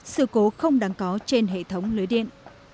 sự cố không đáng có trên hệ thống lưới điện